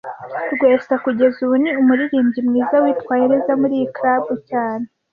Rwesa kugeza ubu ni umuririmbyi mwiza witwaye neza muri iyi club cyane